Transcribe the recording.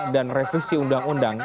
dan revisi undang undang